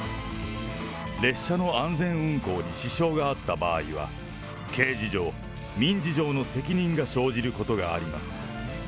列車の安全運行に支障があった場合は、刑事上、民事上の責任が生じることがあります。